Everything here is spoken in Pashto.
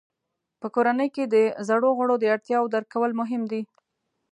په کورنۍ کې د زړو غړو د اړتیاوو درک کول مهم دي.